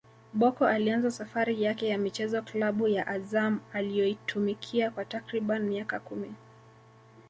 Bocco alianza safari yake ya michezo klabu ya Azam aliyoitumikia kwa takriban miaka kumi